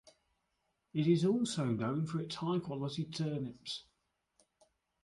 It is also known for its high quality turnips.